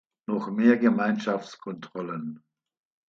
Noch mehr Gemeinschaftskontrollen!